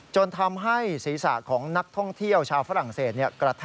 จนทำให้ศีรษะของนักท่องเที่ยวชาวฝรั่งเศส